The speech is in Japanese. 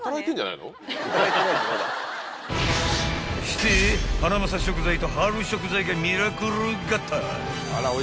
［してハナマサ食材と春食材がミラクル合体！］